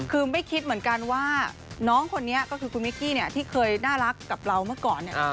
คือไม่คิดเหมือนกันว่าน้องคนนี้ก็คือคุณมิกกี้เนี่ยที่เคยน่ารักกับเราเมื่อก่อนเนี่ย